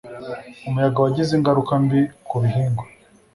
Umuyaga wagize ingaruka mbi ku bihingwa.